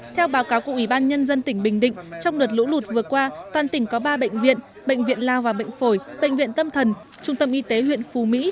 theo báo cáo của ủy ban nhân dân tỉnh bình định trong đợt lũ lụt vừa qua toàn tỉnh có ba bệnh viện bệnh viện lao và bệnh phổi bệnh viện tâm thần trung tâm y tế huyện phù mỹ